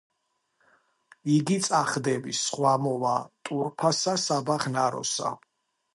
იგი წახდების, სხვა მოვა ტურფასა საბაღნაროსა;